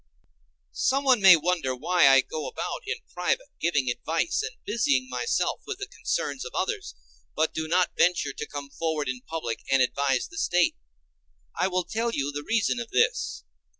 Someone may wonder why I go about in private, giving advice and busying myself with the concerns of others, but do not venture to come forward in public and advise the State. I will tell you the reason of this.